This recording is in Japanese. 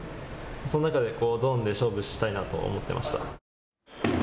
その中でゾーンで勝負したいなと思っていました。